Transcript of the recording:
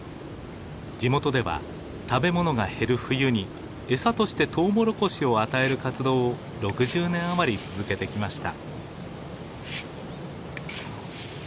地元では食べ物が減る冬に餌としてトウモロコシを与える活動を６０年余り続けてきました。